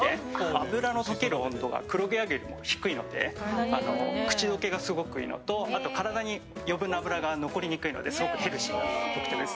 脂の溶ける温度が黒毛和牛より低いので口溶けがすごくいいのとあと、体に余分な脂が残りにくいのですごくヘルシーなのが特徴です。